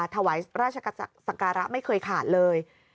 ถวายราชศักระไม่เคยขาดเลย